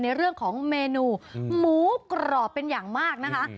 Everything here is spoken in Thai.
ในเรื่องของเมนูหมูกรอบเป็นอย่างมากนะคะ